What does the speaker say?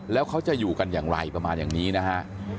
แล้วเขาจะอยู่กันอย่างไรประมาณอย่างนี้นะฮะ